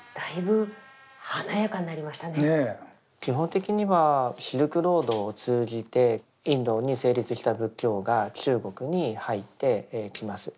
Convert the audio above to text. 基本的にはシルクロードを通じてインドに成立した仏教が中国に入ってきます。